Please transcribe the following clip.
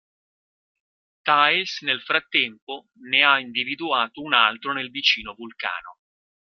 Tails nel frattempo ne ha individuato un altro nel vicino vulcano.